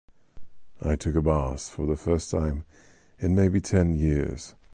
I took a bath for the first time in maybe ten years.